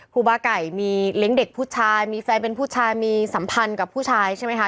ครูบาไก่มีเลี้ยงเด็กผู้ชายมีแฟนเป็นผู้ชายมีสัมพันธ์กับผู้ชายใช่ไหมคะ